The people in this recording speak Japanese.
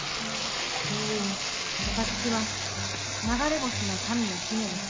私は流れ星の民の姫です。